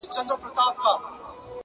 په هغې باندي چا کوډي کړي”